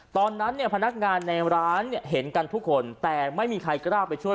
ตอนนั้นเนี่ยพนักงานในร้านเนี่ยเห็นกันทุกคนแต่ไม่มีใครกล้าไปช่วย